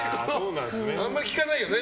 あんまり聞かないよね